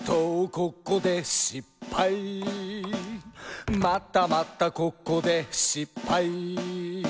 ここでしっぱい」「またまたここでしっぱい」